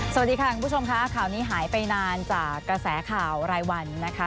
สวัสดีค่ะคุณผู้ชมค่ะข่าวนี้หายไปนานจากกระแสข่าวรายวันนะคะ